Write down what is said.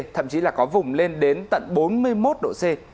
thậm chí là có vùng lên đến tận bốn mươi một độ c